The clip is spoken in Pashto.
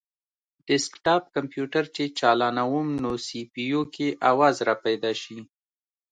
ډیسکټاپ کمپیوټر چې چالانووم نو سي پي یو کې اواز راپیدا شي